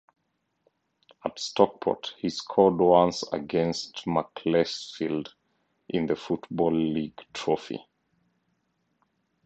At Stockport he scored once against Macclesfield in the Football League Trophy.